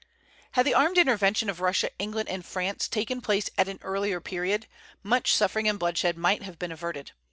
Had the armed intervention of Russia, England, and France taken place at an earlier period, much suffering and bloodshed might have been averted.